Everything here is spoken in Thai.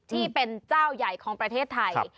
ที่เป็นเจ้าใหญ่ของประเทศไทย